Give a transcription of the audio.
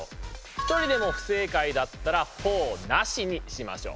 一人でも不正解だったらほぉなしにしましょう。